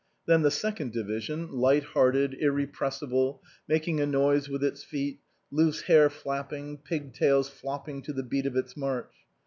Then the Second Division, light hearted, irrepressible, making a noise with its feet, loose hair flapping, pig tails flopping to the beat of its march.